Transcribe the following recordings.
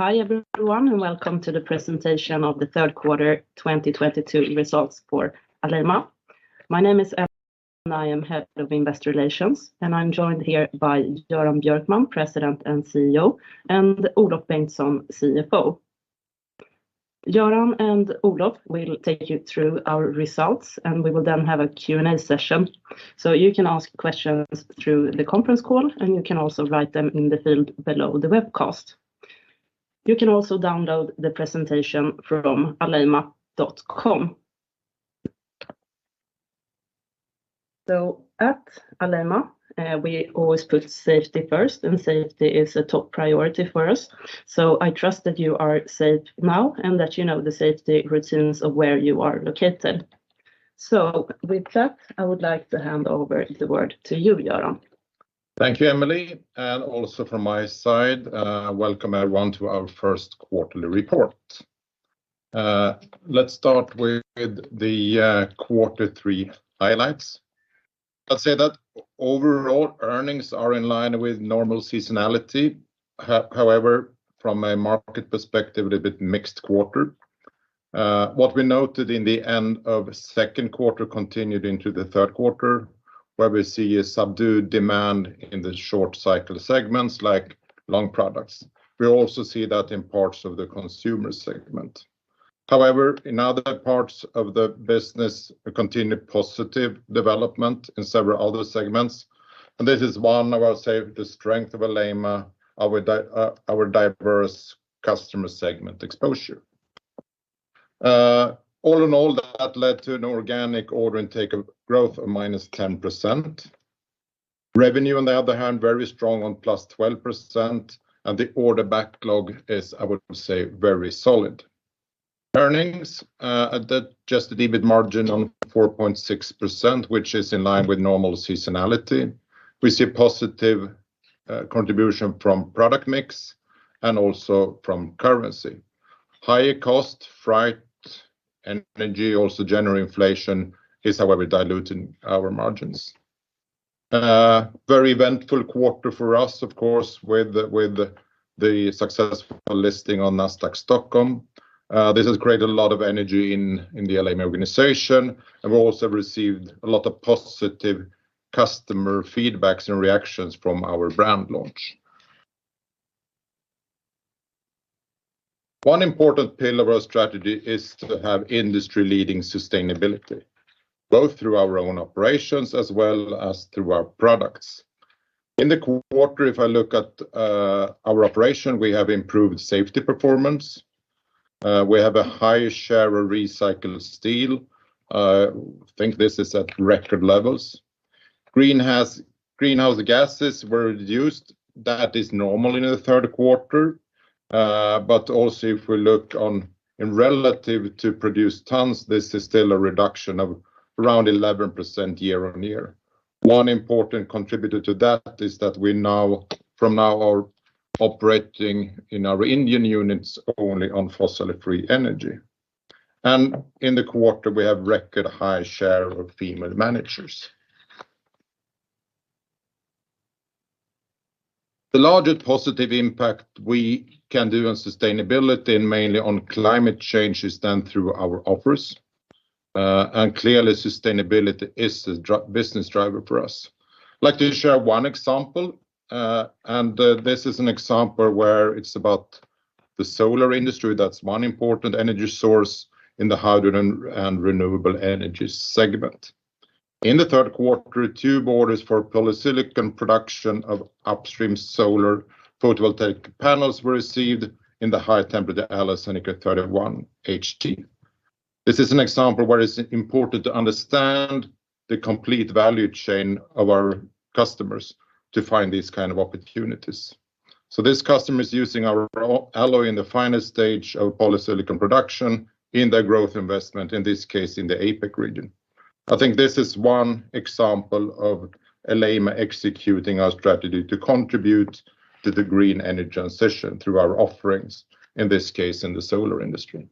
Hi, everyone, and welcome to the Presentation of Q3 2022 Results for Alleima. My name is Emelie, and I am Head of Investor Relations, and I'm joined here by Göran Björkman, President and CEO, and Olof Bengtsson, CFO. Göran and Olof will take you through our results, and we will then have a Q&A session. You can ask questions through the conference call, and you can also write them in the field below the webcast. You can also download the presentation from alleima.com. At Alleima, we always put safety first, and safety is a top priority for us. I trust that you are safe now and that you know the safety routines of where you are located. With that, I would like to hand over the word to you, Göran. Thank you, Emelie. Also from my side, welcome everyone to our first quarterly report. Let's start with the Q3 highlights. I'd say that overall earnings are in line with normal seasonality. However, from a market perspective, a bit mixed quarter. What we noted in the end of Q2 continued into Q3, where we see a subdued demand in the short cycle segments like long products. We also see that in parts of the consumer segment. However, in other parts of the business, a continued positive development in several other segments, and this is one of our, say, the strength of Alleima, our diverse customer segment exposure. All in all, that led to an organic order intake growth of minus 10%. Revenue, on the other hand, very strong on +12%, and the order backlog is, I would say, very solid. Earnings at the adjusted EBIT margin on 4.6%, which is in line with normal seasonality. We see positive contribution from product mix and also from currency. Higher costs, freight, energy, also general inflation is however diluting our margins. Very eventful quarter for us, of course, with the successful listing on Nasdaq Stockholm. This has created a lot of energy in the Alleima organization. We've also received a lot of positive customer feedbacks and reactions from our brand launch. One important pillar of our strategy is to have industry-leading sustainability, both through our own operations as well as through our products. In the quarter, if I look at our operation, we have improved safety performance. We have a higher share of recycled steel. I think this is at record levels. Greenhouse gases were reduced. That is normal in Q3. But also if we look at it in relation to produced tons, this is still a reduction of around 11% year-on-year. One important contributor to that is that we now from now on are operating in our Indian units only on fossil-free energy. In the quarter, we have record high share of female managers. The largest positive impact we can do on sustainability and mainly on climate change is done through our offerings. Clearly, sustainability is the business driver for us. I'd like to share one example, and this is an example where it's about the solar industry. That's one important energy source in the hydrogen and renewable energy segment. In Q3, two orders for polysilicon production of upstream solar photovoltaic panels were received in the high-temperature Sanicro 31HT. This is an example where it's important to understand the complete value chain of our customers to find these kind of opportunities. This customer is using our alloy in the final stage of polysilicon production in their growth investment, in this case, in the APAC region. I think this is one example of Alleima executing our strategy to contribute to the green energy transition through our offerings, in this case, in the solar industry.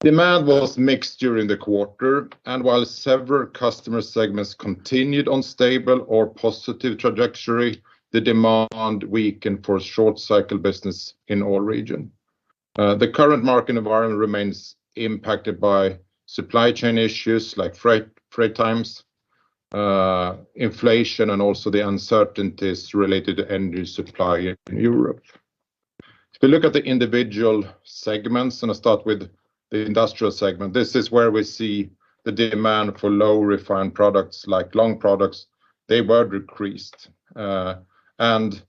Demand was mixed during the quarter, and while several customer segments continued on stable or positive trajectory, the demand weakened for short cycle business in all regions. The current market environment remains impacted by supply chain issues like freight times, inflation, and also the uncertainties related to energy supply in Europe. If you look at the individual segments, and I start with the industrial segment, this is where we see the demand for low refined products like long products, they were decreased, and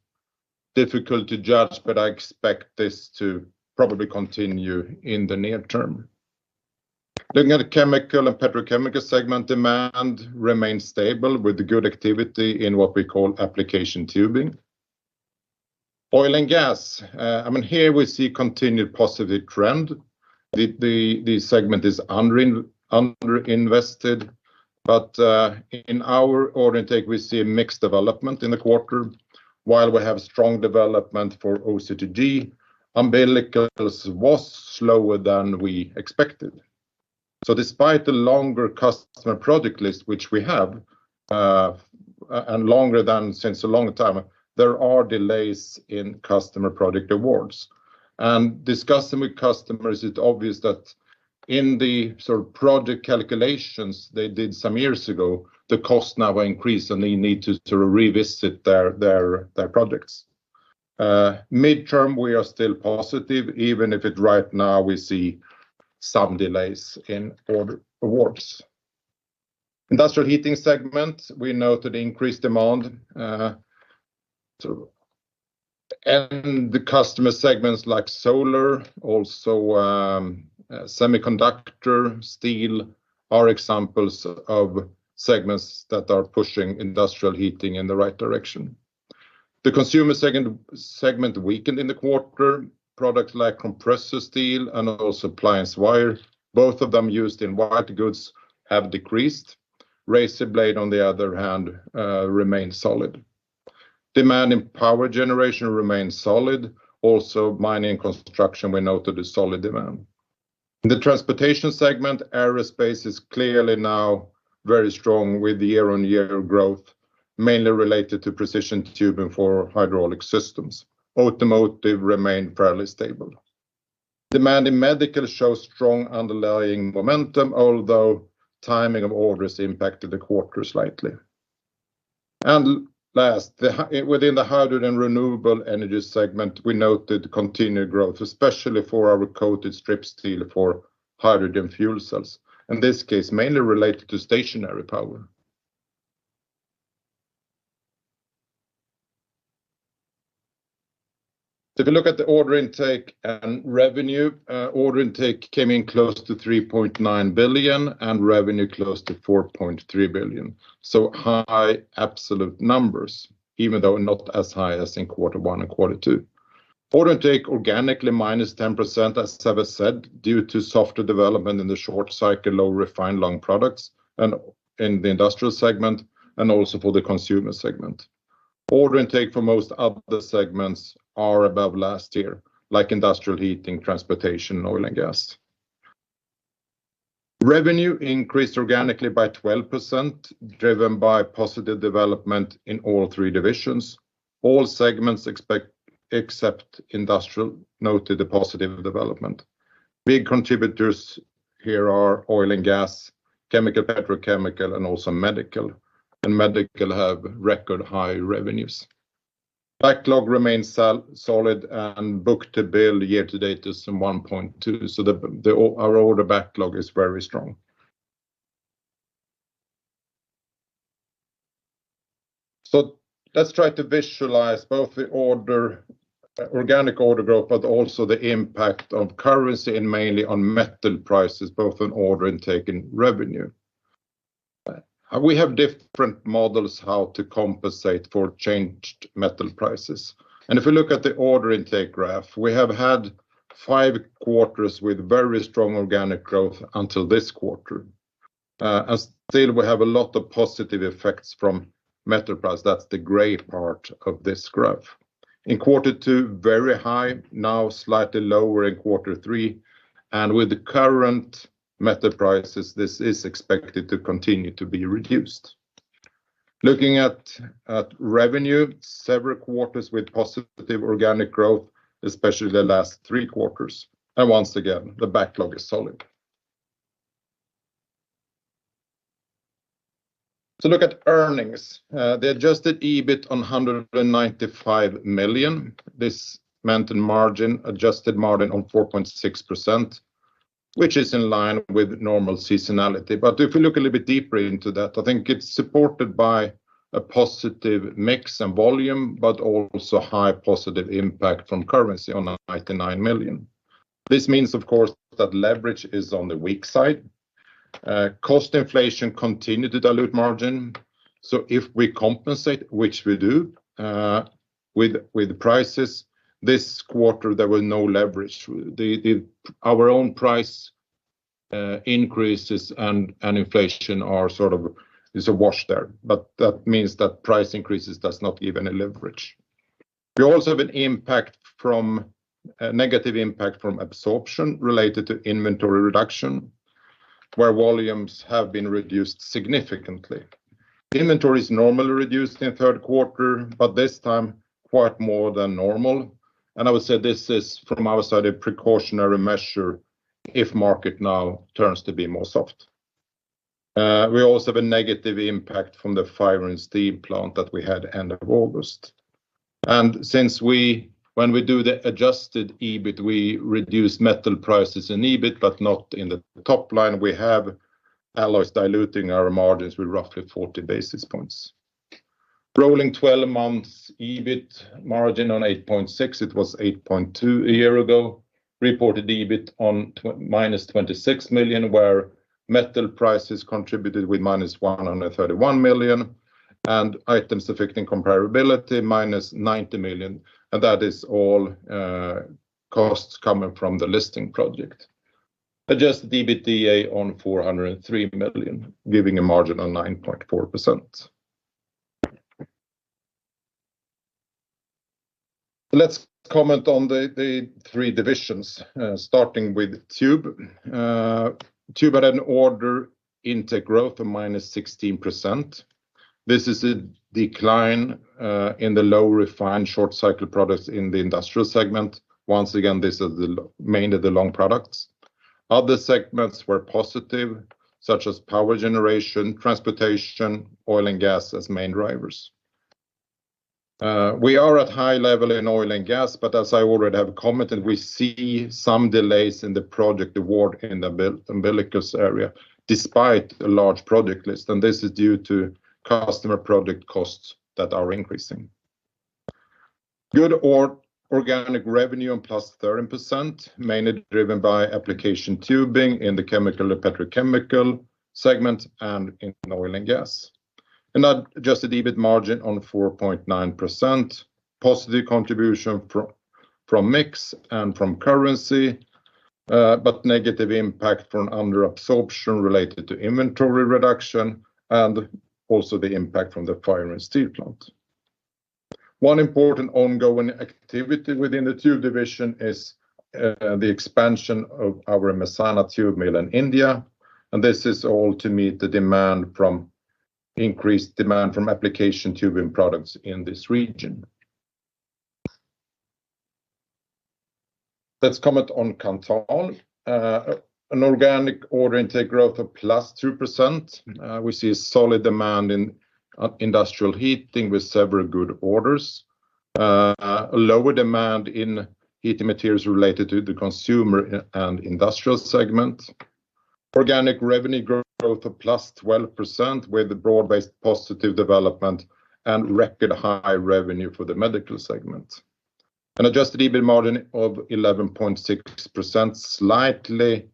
difficult to judge, but I expect this to probably continue in the near term. Looking at the chemical and petrochemical segment, demand remains stable with good activity in what we call application tubing. Oil and gas, I mean, here we see continued positive trend. The segment is underinvested, but in our order intake, we see a mixed development in the quarter. While we have strong development for OCTG, umbilicals was slower than we expected. Despite the longer customer product list which we have, and longer than since a long time, there are delays in customer product awards. Discussing with customers, it's obvious that in the sort of project calculations they did some years ago, the costs now were increased, and they need to revisit their projects. Midterm, we are still positive, even if right now we see some delays in order awards. Industrial Heating segment, we noted increased demand. The customer segments like solar, semiconductor, steel are examples of segments that are pushing Industrial Heating in the right direction. The Consumer segment weakened in the quarter, products like compressor valve steel and appliance wire, both of them used in white goods, have decreased. Razor blade steel, on the other hand, remained solid. Demand in Power Generation remained solid. Also, Mining and Construction, we noted a solid demand. In the Transportation segment, aerospace is clearly now very strong with year-on-year growth, mainly related to precision tubing for hydraulic systems. Automotive remained fairly stable. Demand in Medical shows strong underlying momentum, although timing of orders impacted the quarter slightly. Last, within the Hydrogen & Renewable Energy segment, we noted continued growth, especially for our coated strip steel for hydrogen fuel cells, in this case, mainly related to stationary power. If you look at the order intake and revenue, order intake came in close to 3.9 billion, and revenue close to 4.3 billion. High absolute numbers, even though not as high as in Q1 and Q2. Order intake organically -10% as [inaudible] said, due to softer development in the short cycle, low refined long products, and in the Industrial segment, and also for the Consumer segment. Order intake for most other segments are above last year, like Industrial Heating, Transportation, Oil & Gas. Revenue increased organically by 12%, driven by positive development in all three divisions. All segments except Industrial noted a positive development. Big contributors here are Oil & Gas, Chemical, Petrochemical, and also Medical. Medical have record high revenues. Backlog remains solid, and book-to-bill year-to-date is some 1.2, so our order backlog is very strong. Let's try to visualize both the order organic order growth, but also the impact of currency and mainly on metal prices, both on order intake and revenue. We have different models how to compensate for changed metal prices. If you look at the order intake graph, we have had five quarters with very strong organic growth until this quarter. As stated, we have a lot of positive effects from metal price. That's the gray part of this graph. In Q2, very high, now slightly lower in Q3. With the current metal prices, this is expected to continue to be reduced. Looking at revenue, several quarters with positive organic growth, especially the last three quarters. Once again, the backlog is solid. Look at earnings. The adjusted EBIT of 195 million. This meant a margin, adjusted margin of 4.6%, which is in line with normal seasonality. If you look a little bit deeper into that, I think it's supported by a positive mix and volume, but also high positive impact from currency on 99 million. This means, of course, that leverage is on the weak side. Cost inflation continued to dilute margin. If we compensate, which we do, with prices this quarter, there were no leverage. Our own price increases and inflation are sort of a wash there. That means that price increases does not give any leverage. We also have a negative impact from absorption related to inventory reduction, where volumes have been reduced significantly. Inventory is normally reduced in Q3, but this time, quite more than normal. I would say this is, from our side, a precautionary measure if market now turns to be more soft. We also have a negative impact from the fire in steel plant that we had end of August. Since we, when we do the adjusted EBIT, we reduce metal prices in EBIT, but not in the top line, we have alloys diluting our margins with roughly 40 basis points. Rolling 12 months EBIT margin on 8.6%, it was 8.2% a year ago. Reported EBIT on -26 million, where metal prices contributed with -131 million, and items affecting comparability, -90 million, and that is all, costs coming from the listing project. Adjusted EBITDA on 403 million, giving a margin on 9.4%. Let's comment on the three divisions, starting with Tube. Tube had an order intake growth of -16%. This is a decline in the low-margin short-cycle products in the industrial segment. Once again, this is mainly the long products. Other segments were positive, such as power generation, transportation, oil and gas as main drivers. We are at high level in oil and gas, but as I already have commented, we see some delays in the project award in the umbilical area, despite a large project list. This is due to customer project costs that are increasing. Good organic revenue on plus 13%, mainly driven by application tubing in the chemical and petrochemical segment and in oil and gas. Now the EBIT margin on 4.9%. Positive contribution from mix and from currency, but negative impact from under absorption related to inventory reduction and also the impact from the fire at the steel plant. One important ongoing activity within the Tube division is the expansion of our Mehsana tube mill in India, and this is all to meet the demand from increased demand from application tubing products in this region. Let's comment on Kanthal. An organic order intake growth of +2%. We see a solid demand in industrial heating with several good orders. A lower demand in heating materials related to the consumer and industrial segment. Organic revenue growth of +12%, with broad-based positive development and record high revenue for the medical segment. An adjusted EBIT margin of 11.6%, slightly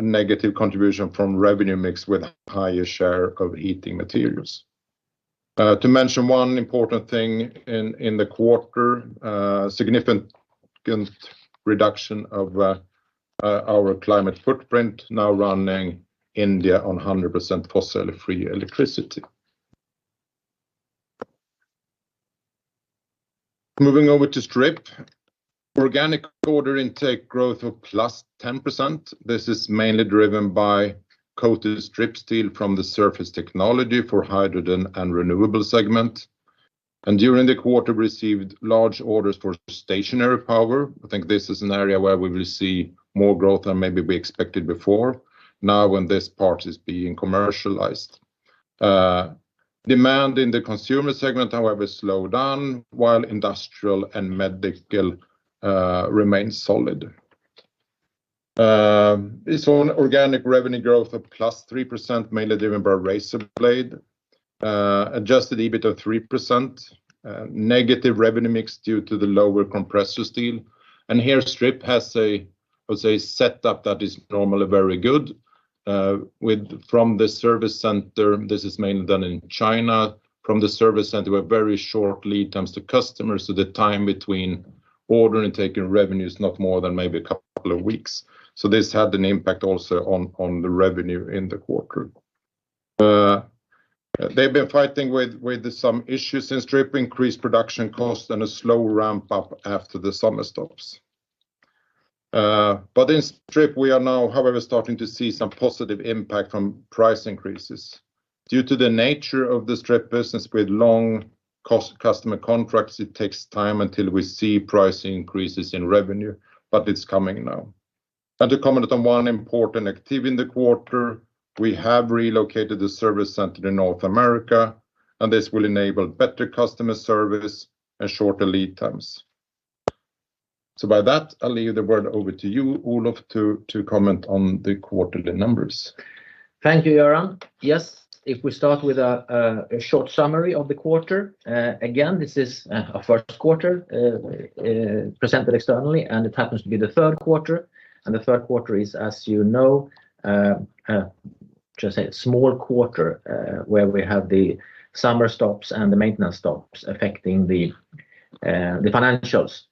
negative contribution from revenue mix with higher share of heating materials. To mention one important thing in the quarter, significant reduction of our climate footprint, now running India on 100% fossil-free electricity. Moving over to Strip. Organic order intake growth of +10%. This is mainly driven by coated strip steel from the Surface Technology for hydrogen and renewable segment. During the quarter, received large orders for stationary power. I think this is an area where we will see more growth than maybe we expected before, now when this part is being commercialized. Demand in the consumer segment, however, slowed down while industrial and medical remains solid. We saw an organic revenue growth of +3%, mainly driven by razor blade. Adjusted EBIT of 3%. Negative revenue mix due to the lower compressor steel. Here, Strip has a setup that is normally very good, with from the service center. This is mainly done in China, from the service center with very short lead times to customers, so the time between order and taking revenue is not more than maybe a couple of weeks. This had an impact also on the revenue in the quarter. They've been fighting with some issues in Strip, increased production costs and a slow ramp-up after the summer stops. In Strip, we are now, however, starting to see some positive impact from price increases. Due to the nature of the Strip business with long cost customer contracts, it takes time until we see price increases in revenue, but it's coming now. To comment on one important activity in the quarter, we have relocated the service center to North America, and this will enable better customer service and shorter lead times. By that, I'll leave the word over to you, Olof, to comment on the quarterly numbers. Thank you, Göran. Yes, if we start with a short summary of the quarter, again, this is our Q1 presented externally, and it happens to be Q3. Q3 is, as you know, just a small quarter where we have the summer stops and the maintenance stops affecting the financials.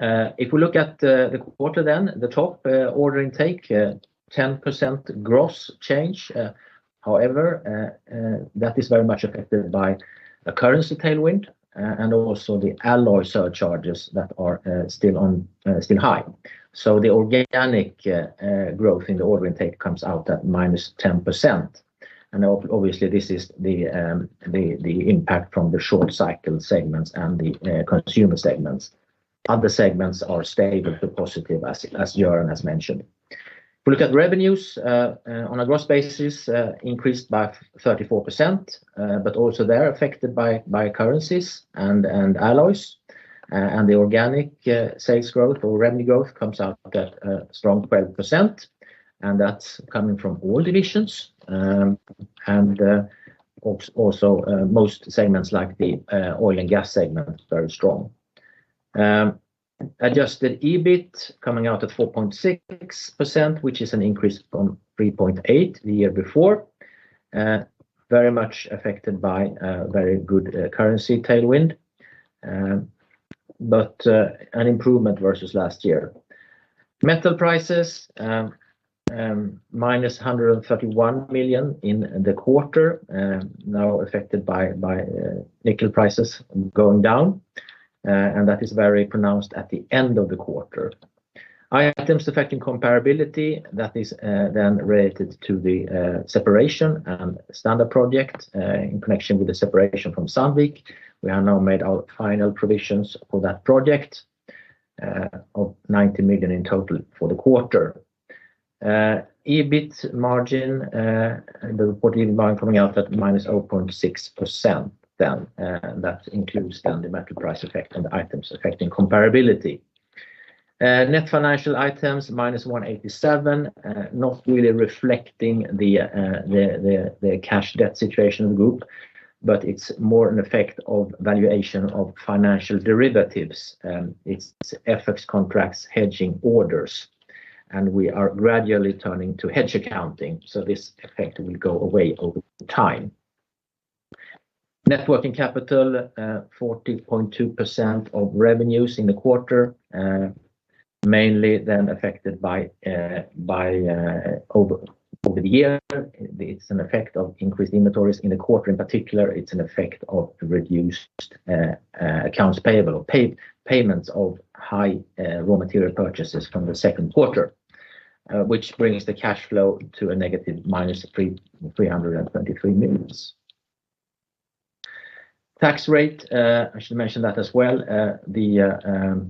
If we look at the quarter then, the top order intake 10% gross change. However, that is very much affected by a currency tailwind and also the alloy surcharges that are still high. The organic growth in the order intake comes out at -10%. Obviously, this is the impact from the short cycle segments and the consumer segments. Other segments are stable to positive, as Göran has mentioned. If we look at revenues on a gross basis, increased by 34%, but also they're affected by currencies and alloys. The organic sales growth or revenue growth comes out at a strong 12%, and that's coming from all divisions, and also most segments like the oil and gas segment, very strong. Adjusted EBIT coming out at 4.6%, which is an increase from 3.8% the year before, very much affected by a very good currency tailwind, but an improvement versus last year. Metal prices -131 million in the quarter, now affected by nickel prices going down, and that is very pronounced at the end of the quarter. Items affecting comparability, that is, related to the separation and standalone project. In connection with the separation from Sandvik, we are now made our final provisions for that project of 90 million in total for the quarter. EBIT margin, the reported margin coming out at -0.6%, that includes the metal price effect and the items affecting comparability. Net financial items -187 million, not really reflecting the cash debt situation of the group, but it's more an effect of valuation of financial derivatives. It's FX contracts hedging orders, and we are gradually turning to hedge accounting, so this effect will go away over time. Net working capital 40.2% of revenues in the quarter, mainly affected over the year. It's an effect of increased inventories in the quarter. In particular, it's an effect of reduced accounts payable or payments of high raw material purchases from Q2, which brings the cash flow to negative 323 million. Tax rate, I should mention that as well. The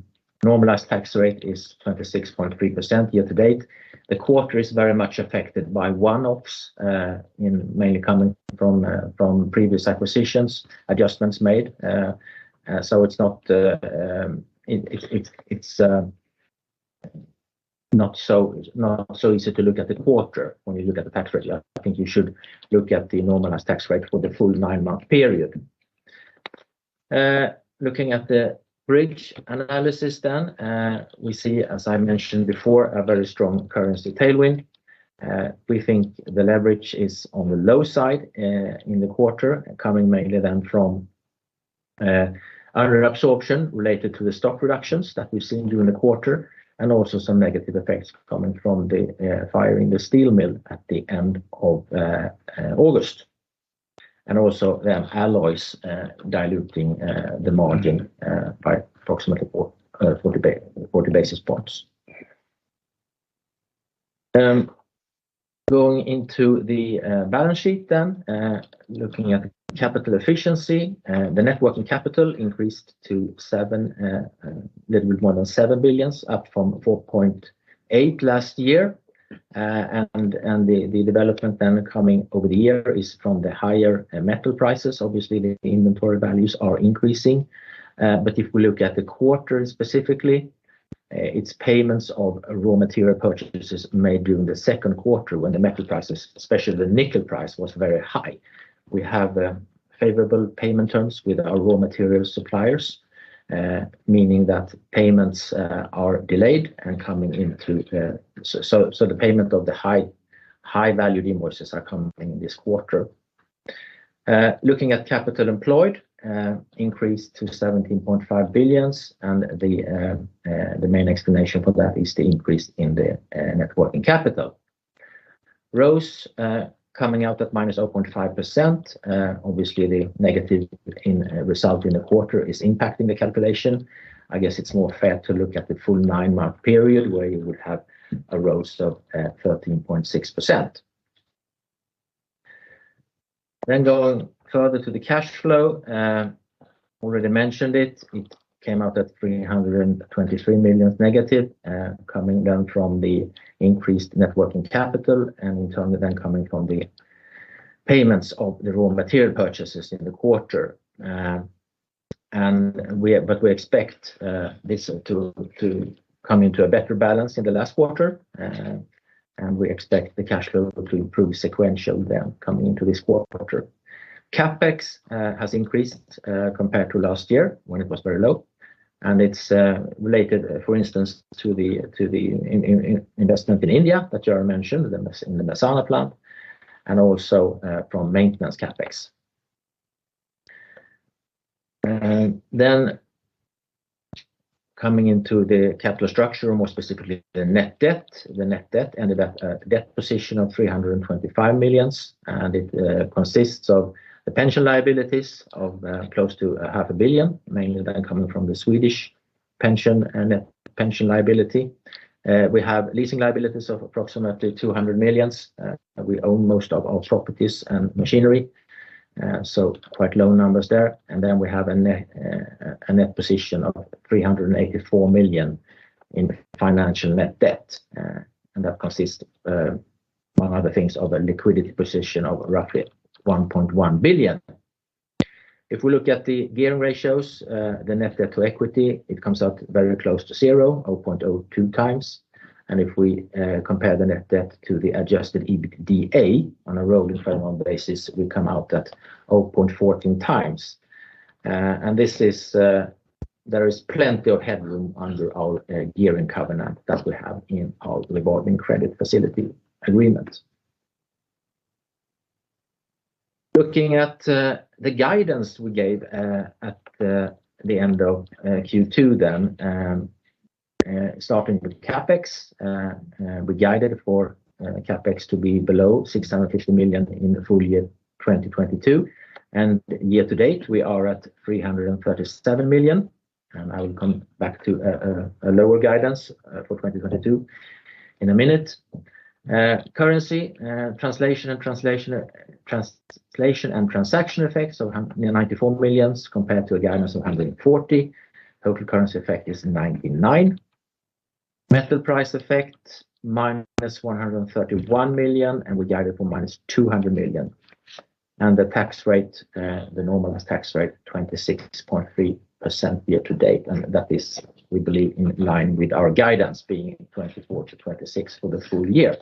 normalized tax rate is 26.3% year-to-date. The quarter is very much affected by one-offs, mainly coming from previous acquisitions, adjustments made. It's not so easy to look at the quarter when you look at the tax rate. I think you should look at the normalized tax rate for the full nine-month period. Looking at the bridge analysis then, we see, as I mentioned before, a very strong currency tailwind. We think the leverage is on the low side, in the quarter, coming mainly then from under absorption related to the stock reductions that we've seen during the quarter and also some negative effects coming from the fire in the steel mill at the end of August. Alloys diluting the margin by approximately 40 basis points. Going into the balance sheet then, looking at capital efficiency, the net working capital increased to a little bit more than 7 billion up from 4.8 billion last year. The development then coming over the year is from the higher metal prices. Obviously, the inventory values are increasing. If we look at the quarter specifically, it's payments of raw material purchases made during the Q2 when the metal prices, especially the nickel price, was very high. We have favorable payment terms with our raw material suppliers, meaning that payments are delayed and coming in through, so the payment of the high-value invoices are coming this quarter. Looking at capital employed, increased to 17.5 billion, and the main explanation for that is the increase in the net working capital. ROAS coming out at -0.5%. Obviously, the negative result in the quarter is impacting the calculation. I guess it's more fair to look at the full nine-month period where you would have a ROAS of 13.6%. Going further to the cash flow, already mentioned it. It came out at negative 323 million, coming down from the increased net working capital and in turn then coming from the payments of the raw material purchases in the quarter. But we expect this to come into a better balance in the last quarter. We expect the cash flow to improve sequentially then coming into this quarter. CapEx has increased compared to last year when it was very low. It's related, for instance, to the investment in India that Göran mentioned in the Mehsana plant and also from maintenance CapEx. Coming into the capital structure, more specifically the net debt. The net debt ended at a debt position of 325 million, and it consists of the pension liabilities of close to half a billion, mainly then coming from the Swedish pension and pension liability. We have leasing liabilities of approximately 200 million. We own most of our properties and machinery, so quite low numbers there. We have a net position of 384 million in financial net debt. And that consists, among other things, of a liquidity position of roughly 1.1 billion. If we look at the gearing ratios, the net debt to equity, it comes out very close to zero, 0.02 times. If we compare the net debt to the adjusted EBITDA on a rolling twelve-month basis, we come out at 0.14 times. There is plenty of headroom under our gearing covenant that we have in our revolving credit facility agreement. Looking at the guidance we gave at the end of Q2 then, starting with CapEx. We guided for CapEx to be below 650 million in the full year 2022. Year-to-date, we are at 337 million, and I will come back to a lower guidance for 2022 in a minute. Currency translation and transaction effects of nearly 94 million compared to a guidance of 140 million. Total currency effect is 99 million. Metal price effect -131 million, and we guided for -200 million. The tax rate, the normalized tax rate, 26.3% Year-to-date. That is, we believe, in line with our guidance being 24%-26% for the full year.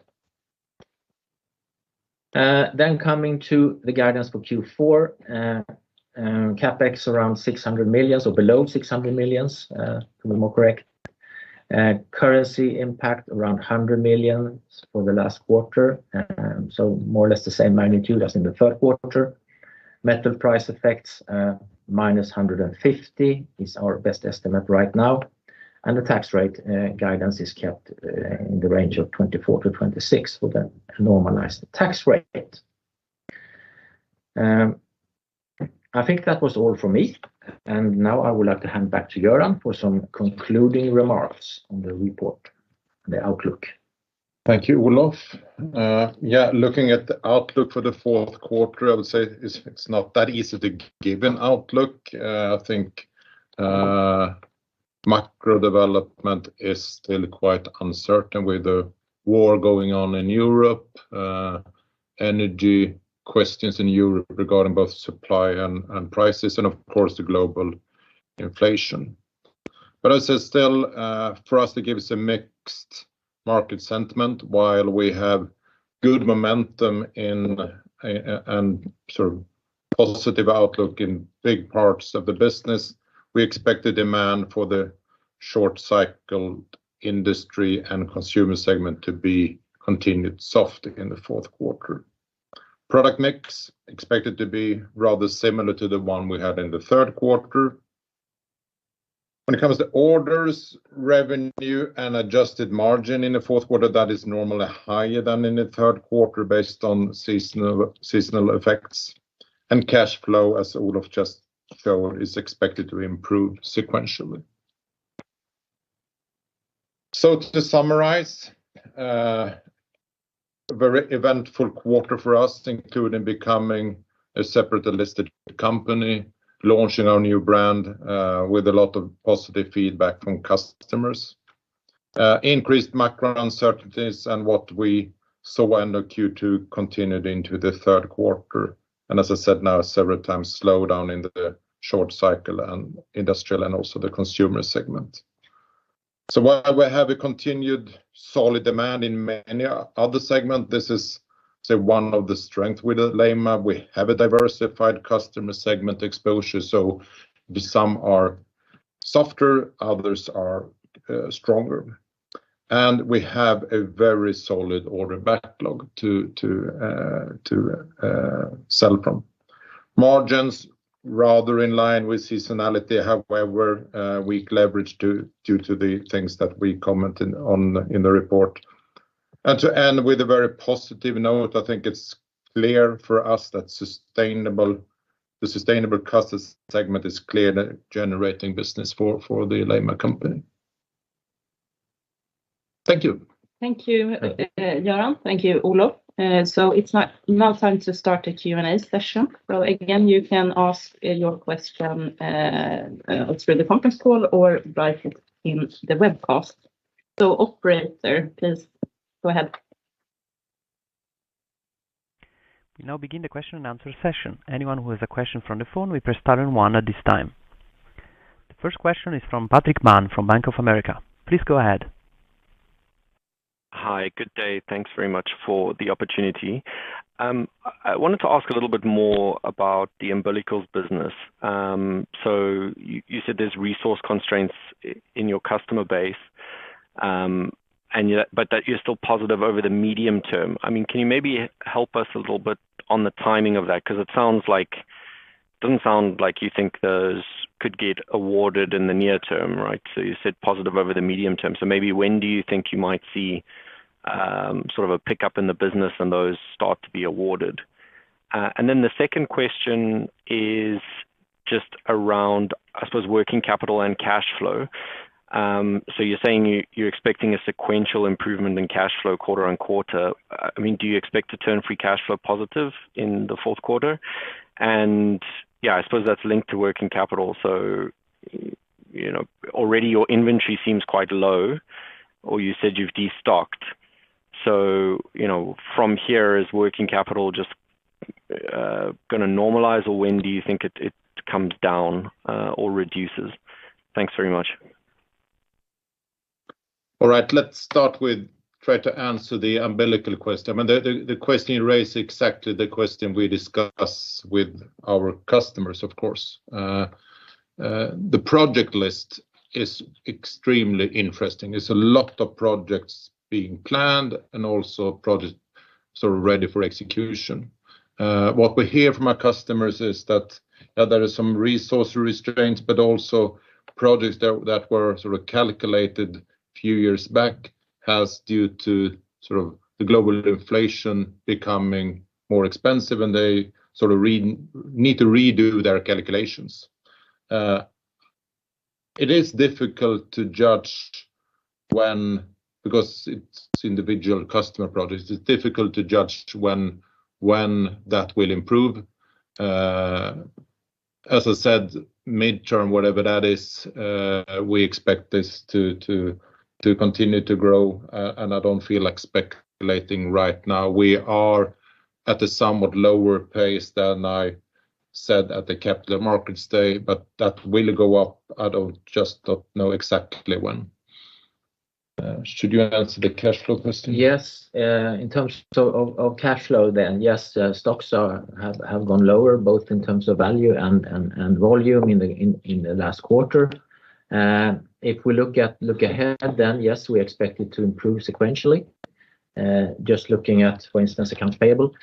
Coming to the guidance for Q4. CapEx around 600 million, so below 600 million, to be more correct. Currency impact around 100 million for the last quarter, so more or less the same magnitude as in Q3. Metal price effects, -150 million is our best estimate right now. The tax rate guidance is kept in the range of 24%-26% for the normalized tax rate. I think that was all for me. Now I would like to hand back to Göran for some concluding remarks on the report and the outlook. Thank you, Olof. Looking at the outlook for Q4, I would say it's not that easy to give an outlook. I think macro development is still quite uncertain with the war going on in Europe, energy questions in Europe regarding both supply and prices and of course the global inflation. I say still, for us, it gives a mixed market sentiment. While we have good momentum in and sort of positive outlook in big parts of the business, we expect the demand for the short cycle industry and consumer segment to be continued soft in Q4. Product mix expected to be rather similar to the one we had in Q3. When it comes to orders, revenue and adjusted margin in Q4, that is normally higher than in Q3 based on seasonal effects. Cash flow, as Olof just showed, is expected to improve sequentially. To summarize, a very eventful quarter for us, including becoming a separate and listed company, launching our new brand, with a lot of positive feedback from customers. Increased macro uncertainties and what we saw end of Q2 continued into Q3. As I said now several times, slowdown in the short cycle and industrial and also the consumer segment. While we have a continued solid demand in many other segment, this is, say, one of the strength with the Alleima. We have a diversified customer segment exposure, so some are softer, others are stronger. We have a very solid order backlog to sell from. Margins rather in line with seasonality, however, weak leverage due to the things that we commented on in the report. To end with a very positive note, I think it's clear for us that the sustainable customer segment is clearly generating business for the Alleima company. Thank you. Thank you, Göran. Thank you, Olof. It's now time to start the Q&A session. Again, you can ask your question through the conference call or write it in the webcast. Operator, please go ahead. We now begin the question and answer session. Anyone who has a question from the phone, we press star and one at this time. The first question is from Patrick Mann from Bank of America. Please go ahead. Hi. Good day. Thanks very much for the opportunity. I wanted to ask a little bit more about the umbilicals business. So you said there's resource constraints in your customer base and that you're still positive over the medium term. I mean, can you maybe help us a little bit on the timing of that? Because it doesn't sound like you think those could get awarded in the near term, right? You said positive over the medium term. Maybe when do you think you might see sort of a pickup in the business and those start to be awarded? The second question is just around, I suppose, working capital and cash flow. You're saying you're expecting a sequential improvement in cash flow quarter on quarter. I mean, do you expect to turn free cash flow positive in Q4? Yeah, I suppose that's linked to working capital. You know, already your inventory seems quite low or you said you've destocked. You know, from here, is working capital just gonna normalize, or when do you think it comes down or reduces? Thanks very much. All right, let's start with try to answer the umbilical question. I mean, the question you raise exactly the question we discuss with our customers, of course. The project list is extremely interesting. There's a lot of projects being planned and also projects sort of ready for execution. What we hear from our customers is that, yeah, there are some resource restraints, but also projects that were sort of calculated few years back has, due to sort of the global inflation, becoming more expensive, and they sort of need to redo their calculations. It is difficult to judge because it's individual customer projects. It's difficult to judge when that will improve. As I said, midterm, whatever that is, we expect this to continue to grow. I don't feel like speculating right now. We are at a somewhat lower pace than I said at the Capital Markets Day, but that will go up. I just don't know exactly when. Should you answer the cash flow question? Yes. In terms of cash flow then, stocks have gone lower, both in terms of value and volume in the last quarter. If we look ahead, we expect it to improve sequentially. Just looking at, for instance, accounts payable,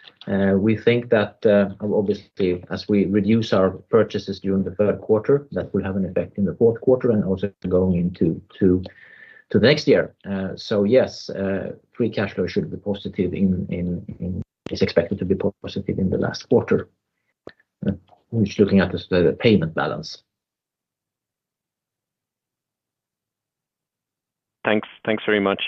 we think that, obviously, as we reduce our purchases during Q3, that will have an effect in Q4 and also going into the next year. Free cash flow is expected to be positive in the last quarter. Just looking at the payment balance. Thanks. Thanks very much.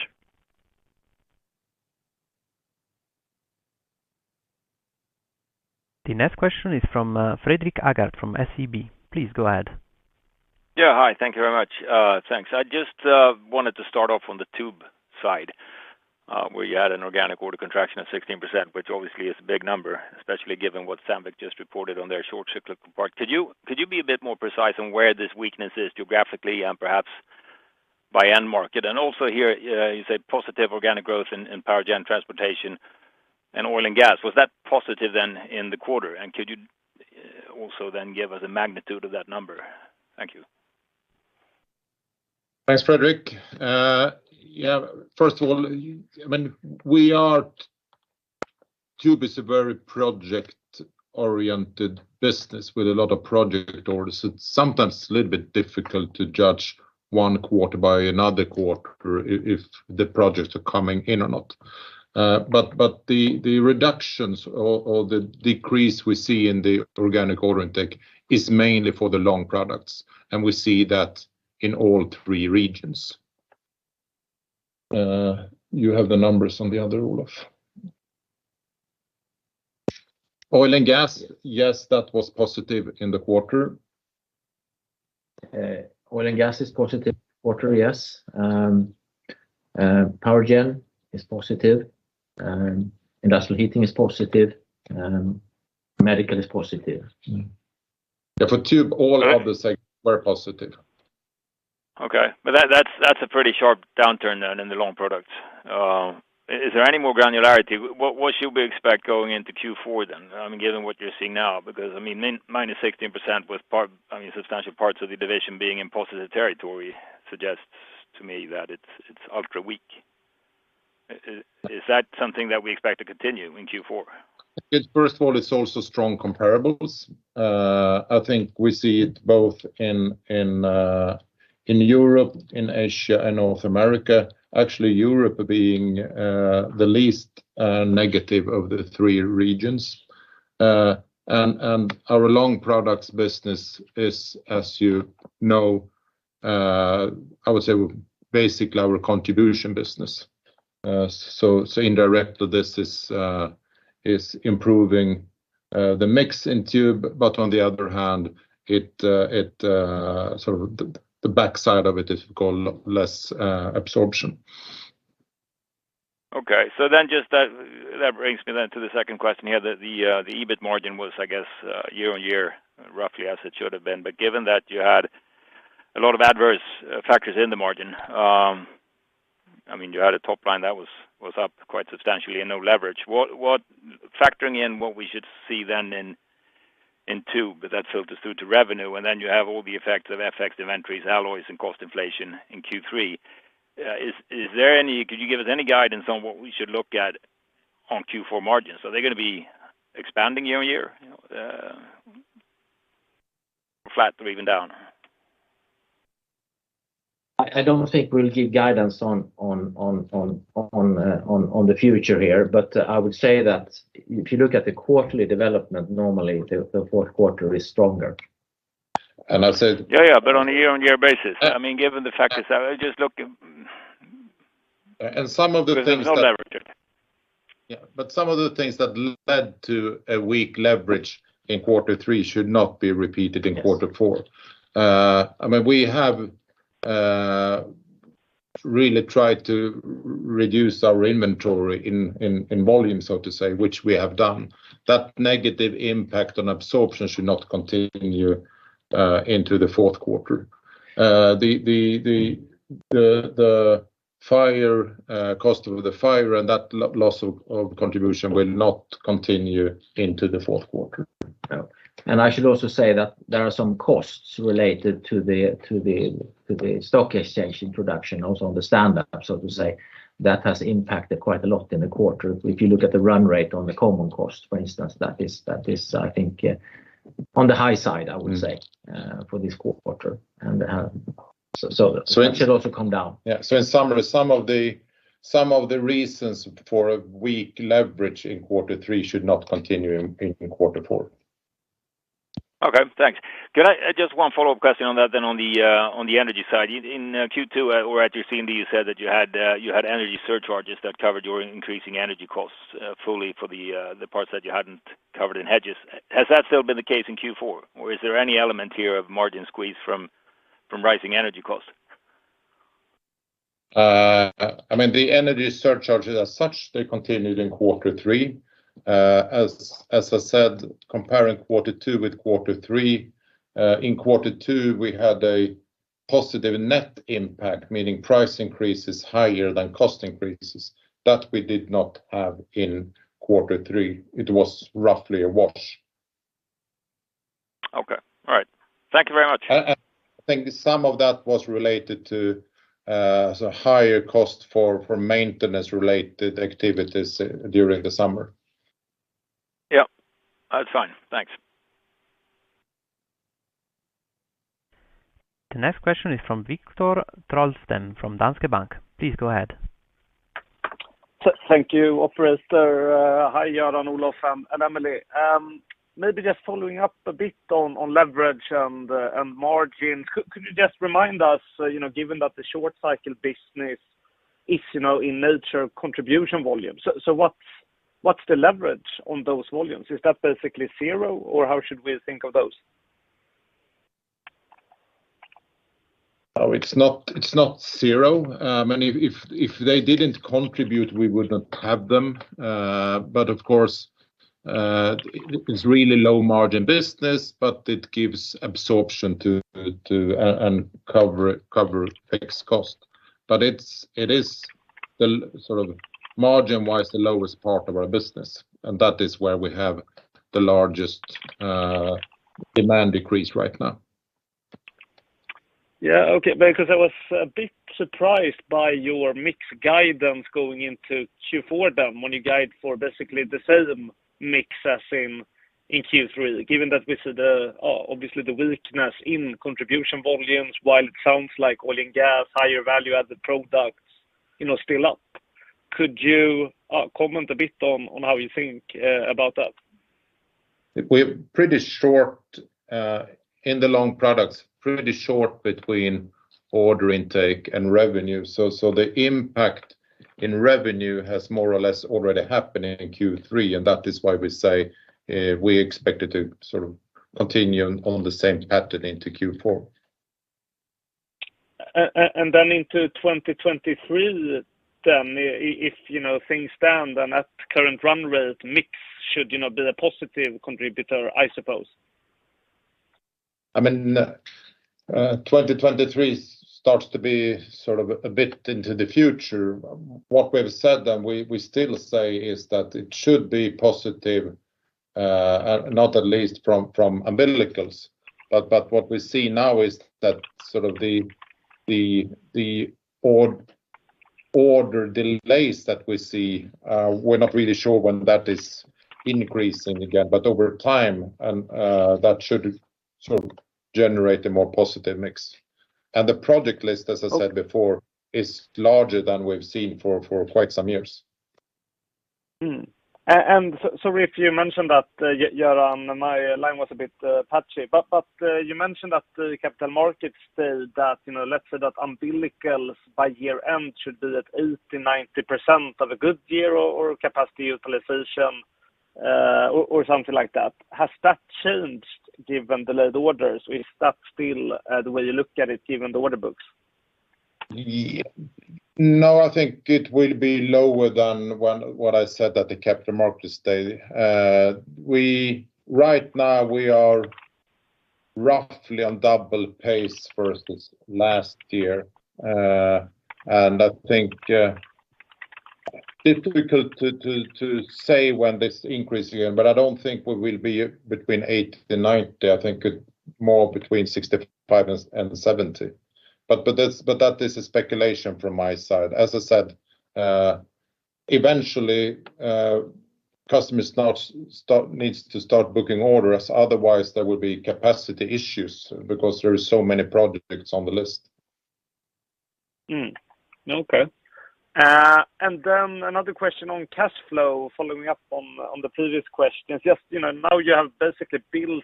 The next question is from Fredrik Håård from SEB. Please go ahead. Yeah. Hi. Thank you very much. Thanks. I just wanted to start off on the tube side, where you had an organic order contraction of 16%, which obviously is a big number, especially given what Sandvik just reported on their short-cycle part. Could you be a bit more precise on where this weakness is geographically and perhaps by end market? And also here, you said positive organic growth in power gen, transportation, and oil and gas. Was that positive then in the quarter? And could you also then give us a magnitude of that number? Thank you. Thanks, Fredrik. First of all, Tube is a very project-oriented business with a lot of project orders. It's sometimes a little bit difficult to judge one quarter by another quarter if the projects are coming in or not. The reductions or the decrease we see in the organic order intake is mainly for the long products, and we see that in all three regions. You have the numbers on the other, Olof. Oil and gas, yes, that was positive in the quarter. Oil and gas is positive quarter, yes. Power gen is positive. Industrial heating is positive. Medical is positive. Yeah. For Tube, all other segments were positive. Okay. That's a pretty sharp downturn then in the long products. Is there any more granularity? What should we expect going into Q4 then, I mean, given what you're seeing now? Because, I mean, minus 16% with substantial parts of the division being in positive territory suggests to me that it's ultra weak. Is that something that we expect to continue in Q4? First of all, it's also strong comparables. I think we see it both in Europe, in Asia, and North America. Actually, Europe being the least negative of the three regions. Our long products business is, as you know, I would say basically our contribution business. Indirectly this is improving the mix in tube, but on the other hand, it sort of the backside of it is called less absorption. Okay. Just that brings me to the second question here. The EBIT margin was, I guess, year-over-year, roughly as it should have been. Given that you had a lot of adverse factors in the margin, I mean, you had a top line that was up quite substantially and no leverage. Factoring in what we should see then in Q2, but that filters through to revenue, and then you have all the effects of FX, inventories, alloys, and cost inflation in Q3. Could you give us any guidance on what we should look at on Q4 margins? Are they gonna be expanding year-over-year, flat or even down? I don't think we'll give guidance on the future here, but I would say that if you look at the quarterly development, normally Q4 is stronger. And I said- Yeah, yeah, on a year-over-year basis. Uh- I mean, given the factors, I was just looking. And some of the things that- With no leverage. Some of the things that led to a weak leverage in Q3 should not be repeated in Q4. Yes. I mean, we have really tried to reduce our inventory in volume, so to say, which we have done. That negative impact on absorption should not continue into Q4. The cost of the fire and that loss of contribution will not continue into Q4. Yeah, I should also say that there are some costs related to the to the stock exchange introduction, also on the standalone, so to say, that has impacted quite a lot in the quarter. If you look at the run rate on the common cost, for instance, that is, I think, on the high side, I would say. For this quarter. So that should also come down. Yeah. In summary, some of the reasons for a weak leverage in Q3 should not continue in Q4. Okay, thanks. Just one follow-up question on that then on the energy side. In Q2 or at your CMD you said that you had energy surcharges that covered your increasing energy costs fully for the parts that you hadn't covered in hedges. Has that still been the case in Q4? Or is there any element here of margin squeeze from rising energy costs? I mean, the energy surcharges as such, they continued in Q3. As I said, comparing Q2 with Q3, in Q2 we had a positive net impact, meaning price increases higher than cost increases. That we did not have in Q3. It was roughly a wash. Okay. All right. Thank you very much. I think some of that was related to so higher cost for maintenance related activities during the summer. Yeah. That's fine. Thanks. The next question is from Viktor Trollsten, from Danske Bank. Please go ahead. Thank you, operator. Hi Göran, Olof, and Emelie. Maybe just following up a bit on leverage and margin. Could you just remind us, you know, given that the short cycle business is, you know, in nature contribution volume. So what's the leverage on those volumes? Is that basically zero, or how should we think of those? It's not zero. If they didn't contribute, we would not have them. Of course, it's really low margin business, but it gives absorption to cover fixed cost. It is the sort of margin wise the lowest part of our business, and that is where we have the largest demand decrease right now. Yeah. Okay. Because I was a bit surprised by your mix guidance going into Q4 then, when you guide for basically the same mix as in Q3. Given that we see, obviously, the weakness in contribution volumes while it sounds like oil and gas, higher value added products, you know, still up. Could you comment a bit on how you think about that? We're pretty short in the long products, pretty short between order intake and revenue. The impact in revenue has more or less already happened in Q3, and that is why we say we expect it to sort of continue on the same pattern into Q4. Into 2023, if, you know, things stand and at current run rate mix should, you know, be a positive contributor, I suppose. I mean, 2023 starts to be sort of a bit into the future. What we've said and we still say is that it should be positive, not least from umbilicals. What we see now is that sort of the order delays that we see, we're not really sure when that is increasing again. Over time and that should sort of generate a more positive mix. The project list, as I said before, is larger than we've seen for quite some years. Sorry if you mentioned that, Göran, my line was a bit patchy. You mentioned that the Capital Markets Day that, you know, let's say that umbilicals by year end should be at 80-90% of a good year or capacity utilization, or something like that. Has that changed given the order load? Is that still the way you look at it, given the order books? No, I think it will be lower than what I said at the Capital Markets Day. Right now we are roughly on double pace versus last year. I think it's difficult to say when this increase again, but I don't think we will be between 80-90. I think more between 65-70. But that's a speculation from my side. As I said, eventually, customers now need to start booking orders, otherwise there will be capacity issues because there are so many projects on the list. Another question on cash flow, following up on the previous questions. Just, you know, now you have basically built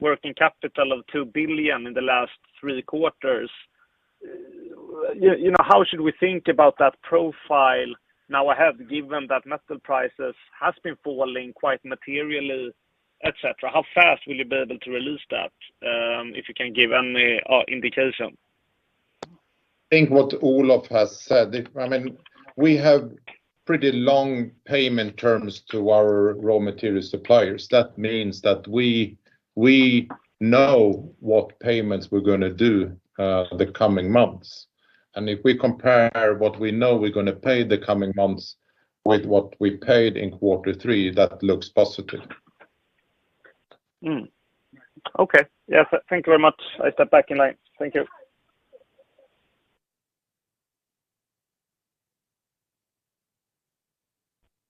working capital of 2 billion in the last three quarters. You know, how should we think about that profile now ahead, given that metal prices has been falling quite materially, et cetera? How fast will you be able to release that, if you can give any indication? I think what Olof has said, I mean, we have pretty long payment terms to our raw material suppliers. That means that we know what payments we're gonna do, the coming months. If we compare what we know we're gonna pay the coming months with what we paid in Q3, that looks positive. Okay. Yes, thank you very much. I step back in line. Thank you.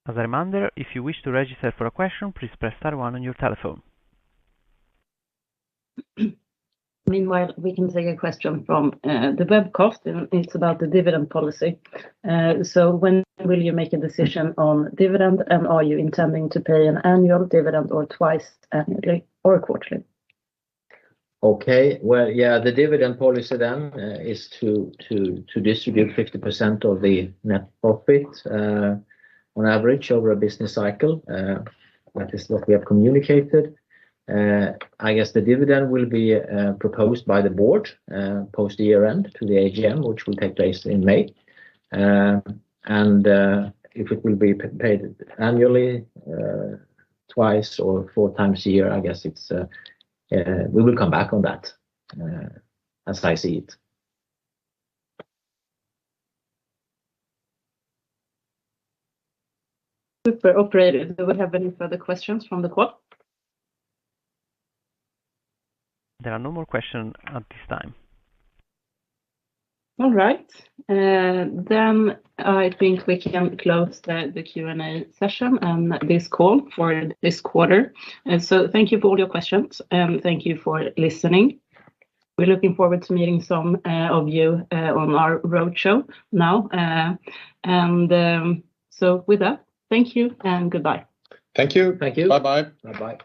As a reminder, if you wish to register for a question, please press star one on your telephone. Meanwhile, we can take a question from the webcast. It's about the dividend policy. When will you make a decision on dividend, and are you intending to pay an annual dividend or twice annually or quarterly? Okay. Well, yeah, the dividend policy then is to distribute 50% of the net profit on average over a business cycle. That is what we have communicated. I guess the dividend will be proposed by the board post year-end to the AGM, which will take place in May. If it will be paid annually, twice or four times a year, I guess we will come back on that as I see it. Operator, do we have any further questions from the call? There are no more questions at this time. All right. I think we can close the Q&A session and this call for this quarter. Thank you for all your questions, and thank you for listening. We're looking forward to meeting some of you on our roadshow now. With that, thank you and goodbye. Thank you. Thank you. Bye-bye. Bye-bye.